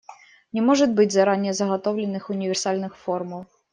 Не может быть заранее заготовленных универсальных формул.